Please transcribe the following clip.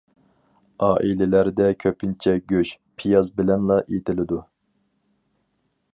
ئائىلىلەردە كۆپىنچە گۆش، پىياز بىلەنلا ئېتىلىدۇ.